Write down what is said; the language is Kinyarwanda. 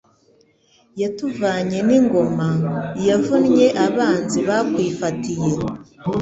Yatuvanye n'ingoma, Yavunnye abanzi bakwifatiye,